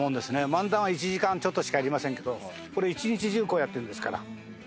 漫談は１時間ちょっとしかやりませんけどこれ一日中こうやってるんですから。